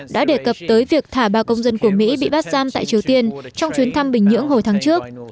đã đề cập tới việc thả ba công dân của mỹ bị bắt giam tại triều tiên trong chuyến thăm bình nhưỡng hồi tháng trước